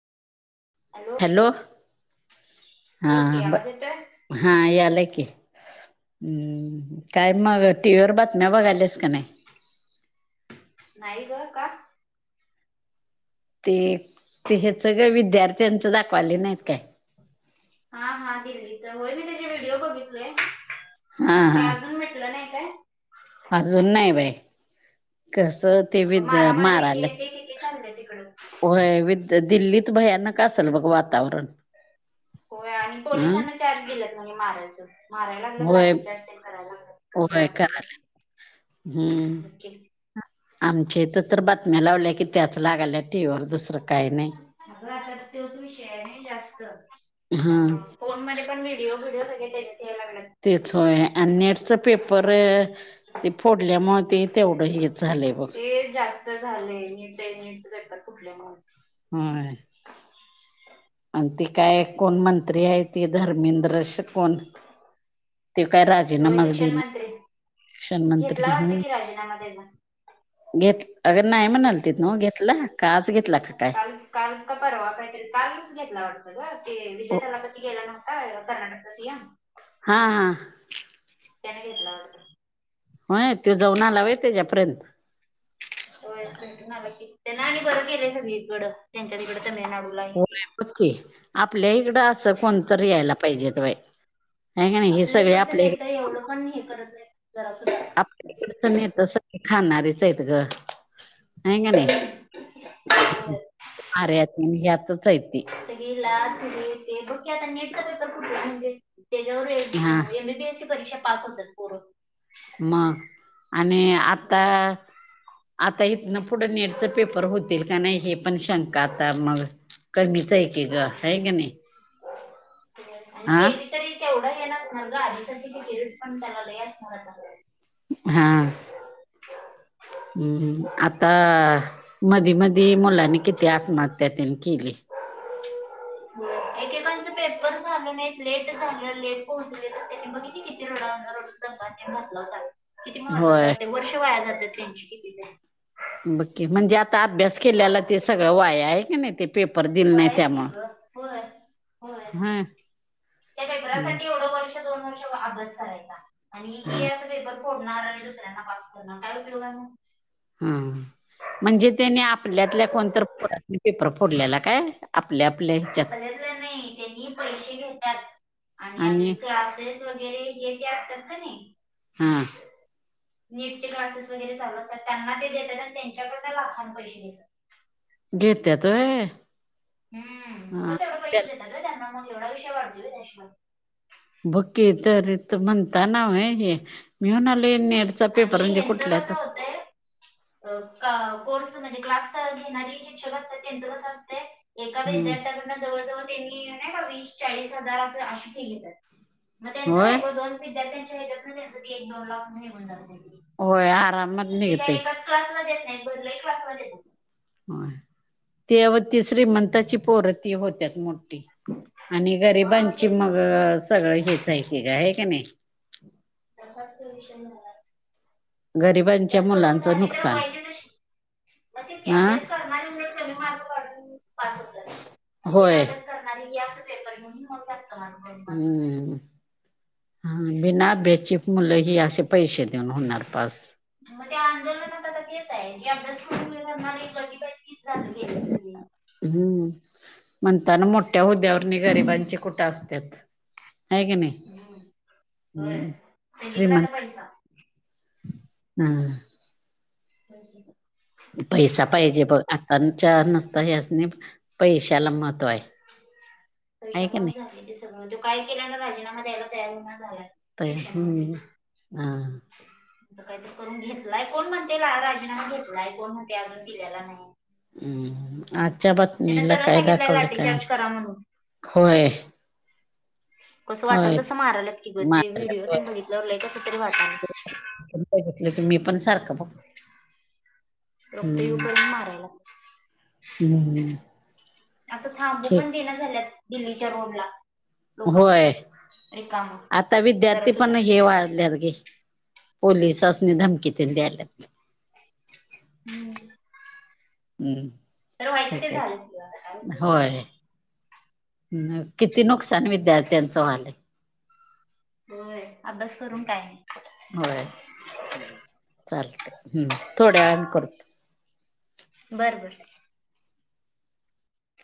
Hello हां बोल की हां ब आवाज येतोय हां यालाय की. हम्म काय मग टीव्हीवर बातम्या बघायल्यास का नाही? नाही ग का? ते ते हेच ग विद्यार्थ्यांचं दाखवाले नाहीत काय. हां हां दिल्लीच होय मी तेजे व्हिडिओ बघितलोय. हा हा ते अजून मिटलं नाही काय? अजून नाही बाय, कसं ते आता विद मारा मारी हे माराल्यात ते किती चाललय तिकडं. होय विद्या दिल्लीत भयानक असेल बघ वातावरण. होय आणि अं पोलिसांना चार्ज दिल्यात म्हणे मारायचं. माराय लागल्यात होय लाठीचार्ज तेन कराय लागल्यात कसं होय वाटेल कराल तसं, हम्म बघ की. आमच्या हीत तर बातम्या लावल्या की त्याच लागाल्यात टीव्हीवर दुसरं काही नाही. अग आता त्योच विषय नाई जास्त. हा त्यामुळ फोन मध्ये पण व्हिडिओ बिडीओ सगळे तेजच याय लागल्यात. तेच होय आणि नेटचं पेपरं ते फोडल्यामुळ ते तेवढं हेच झालय ते जास्त झालंय नीटय, नीटच पेपर फुठल्यामुळ होय. [inaudible] आण ते काय कोण मंत्री हाय ते धर्मेंद्र श कोण? त्यो काय होय राजेनामाचं शिक्षण दीना. मंत्री घेतला वाटतकी राजीनामा तेजा? घेत अगं नाही म्हणालतीत नव, घेतला का आज घेतला का काय? काल का परवा काय तरी, कालच घेतला वाटतं गं ते विजय हा थालापती गेला ना [unintelligible] कर्नाटकचा सीएम हां हां. त्याने घेतला वाटतं? होय त्यो जाऊन आला वय तेज्यापर्यंत? होय टून टून आला की, तेन आणि बरं केलंय सगळीकडं. त्यांच्या तिकडं तमिळनाडूला हे ते होय बगकी, आपल्या हिकडं असं कोणतरी यायला पाहिजेत बाय. आपल्याहीकडचं नेत एवढं पण हे करत नाहीत जरा सुद्धा आपल्या ईडच नेत सगळ खाणारीच आहेत गं. हाय कनिय, सुद्धा आर्यातन ह्यातच हायतती. ते ही लाच हे ते बघकी आता नेटचा पेपर फुटला म्हणजे? तेज्यावर हा एमबीबीएसची परीक्षा पास होत्यात पोरं. म, आणि आता मग आता हितन पुढं नेटच पेपर होतील का नाही हे पण शंका आता मग कमीच आहे की ग, हाय कि नाही? आणि हा केली. तरी तेवढं हे नसणार ग, आधीसाठी ते सेकुरीटी पण त्याला लय असणार. हा! हम्म, आता मधी- मधी मुलांनी किती आत्महत्या त्यांनी केली. एकेकांचं पेपर झालं नाही, लेट झालं, लेट पोहोचले, तर त्यांनी बघितली किती [unintelligible] रोडावणार. दंगा ते घातला होता. किती महत्वांच होय असते वर्ष वाया जातात त्यांची कितीतरी. बघकी म्हणजे आता अभ्यास केल्याला ते सगळं वाया, आहे की नाही ते पेपर दिलं नाही वायाच की त्यामुळं ग होय. होय, हा त्या हम्म पेपरासाठी एवढं वर्ष दोन वर्ष अभ्यास करायचा. आणि हे हा असं पेपर फोडणार आणि दुसऱ्यांना पास करणार, काय उपयोग आहे मं? हम! म्हणजे त्यानी आपल्यातल्या कोणत पेपर फोडलेला काय? आपल्या आपले आपले आपल्यातला नाही त्यांनी पैसे घेतात आणि आपली क्लासेस वगैरे हे ते असतात का नाही? हम्. नीटचे क्लासेस वगैरे चालू असतात त्यांना ते देतात. आणि त्यांच्याकडून लाखां पैसे घे. घेत्यात व्हय? हम्, हा उगच एवढे पैसे त्याला देतात हो त्यांना मग एवढा विशय वाढतोय त्याश बग की, तरी म्हणता नाव हे मी म्हणाले नेट आणि ह्यांचं कस होतंय अ कोर्स म्हणजे क्लास घेणारे शिक्षक असतात, त्यांचं कसं असते एका हम्म विद्यार्थ्याकडनं जवळजवळ त्यांनी नाही का, वीस, चाळीस, हजार असं अशी फी घेतात. मग त्यांचं होय काय ग, दोन विद्यार्थ्यांच्या हच्यात ना त्यांचं ती एक दोन लाख निघून जाते. होय आराम ते काही एकाच क्लासमध्ये येत नाही, कोणत्याही क्लासमध्ये येत. होय, ते आओ श्रीमंतांची पोर ते होत्यात मोठी. आणि हा गरिबांची तेच मग की सगळं हेच आहे की, आहे की नाही? तसाच सोल्युशन घेणार गरीब बस करून झाली तर व्हाजे तशी मग तेच की, हा अभ्यास करणारे कमी मार्क पास होतात. बिना होय अभ्यास णार हे असं पेपर घेऊन मग जास्त मार्क करून पास होणार. हम्म, हम हा, बिना अभ्यासची मुलं ही असे पैसे देऊन होणार पास. मग त्या आंदोलनात आता तेच आहे की जी अभ्यास करून [unintelligible] [inaudible] गेलेत सगळी. हम्म, म्हणताना मोठ्या हद्यावर गरिबांचे कुठं असतात. हाय की नाही? हम्म, होय सगळीकडे आता पैसा हम्, हम ह [inaudible] पैसा पाहिजे बघ, आताच्या नसता ह्यासणी पैशाला महत् पैशामुळेच झाले ते सगळं, तो काय केला ना राजीनामा द्यायला तयार होय ना झाला. तर शिक्षन मंत्री. हम्म हा काहीतरी करून घेतलाय कोण म्हणतय राजीनामा घेतलाय कोण म्हणतय अजून दिलेला नाही आच्च्या त्याने बातमीला सरळ काय सांगितलंय दाखवले काय लाठीचार्ज माहित करा म्हणून. होय कसं वाटल होय तसं मारालात कि ग ते मारल्यात व्हिडिओ होय. त्यांनी बघितल्यावर लय कस तरी वाटाल बघितलं की मी पण सारखं बघ रक्त येईपर्यंत माराय लाग हम, हम असं थांबू पण देण झालं दिल्लीच्या रोडला लोकांना होय रिकाम आता जरा विद्यार्थी सुद्धा पण हे वाढल्यात गे पोलिसासनी धमकी तेन द्यायलेत हम्म हम्म तर व्हायचं ते ठीक आहे. झालंच क आता काय व्हतय होय किती नुकसान विद्यार्थ्यांचं व्हायलय होय अभ्यास करून काय नाही होय चालतय थोड्या वेळान करत बर, बर